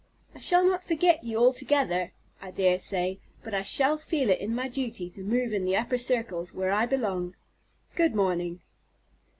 I shall not forget you altogether, I dare say, but I shall feel it my duty to move in the upper circles, where I belong. Good morning."